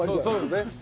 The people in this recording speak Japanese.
そうですね。